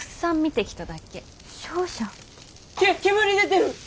け煙出てる！